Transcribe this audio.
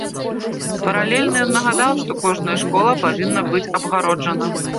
Паралельна ён нагадаў, што кожная школа павінна быць абгароджана.